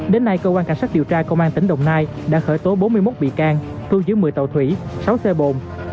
đến nay cơ quan cảnh sát điều tra công an tỉnh đồng nai đã khởi tố bốn mươi một bị can thu giữ một mươi tàu thủy sáu xe bồn